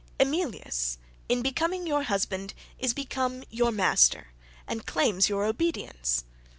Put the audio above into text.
"Emilius, in becoming your husband, is become your master, and claims your obedience.